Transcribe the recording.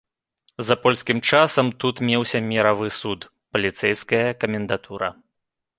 За польскім часам тут меўся міравы суд, паліцэйская камендатура.